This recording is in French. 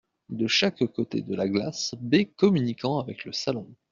De chaque côté de la glace, baies communiquant avec le salon.